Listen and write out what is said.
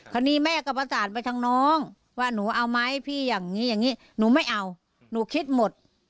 แม่ก็ประสานไปทางน้องว่าหนูเอาไหมพี่อย่างนี้อย่างนี้หนูไม่เอาหนูคิดหมด